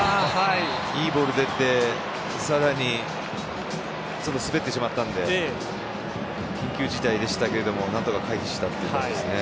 いいボール出てさらに滑ってしまったので緊急事態でしたが、何とか回避したというところですね。